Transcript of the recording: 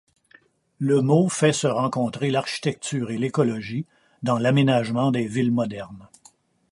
Le mot fait se rencontrer l'architecture et l'écologie dans l'aménagement des villes modernes.